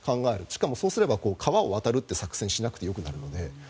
しかも、そうすれば川を渡る作戦をしなくてもいいので。